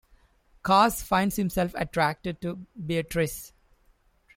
Caz finds himself attracted to Betriz.